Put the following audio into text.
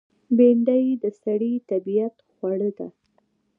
بېنډۍ د سړي طبیعت خوړه ده